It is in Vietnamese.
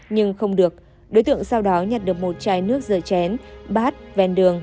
nhưng không được đối tượng sau đó nhặt được một chai nước rửa chén bát ven đường